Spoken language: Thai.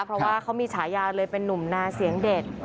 เพราะว่าเขามีฉายาเลยเป็นนุ่มนาเสียงเด็ด